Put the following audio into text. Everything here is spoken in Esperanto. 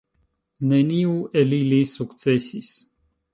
Neniu el ili sukcesis.